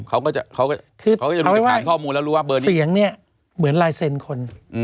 เขาก็จะรู้จากทางข้อมูลแล้วเสียงเนี่ยเหมือนลายเซ็นขน